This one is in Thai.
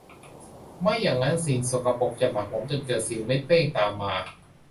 ไม่อย่างนั้นสิ่งสกปรกจะหมักหมมจนเกิดสิวเม็ดเป้งตามมา